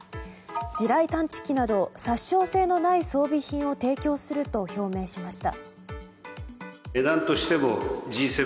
地雷探知機など殺傷性のない装備品を提供すると表明しました。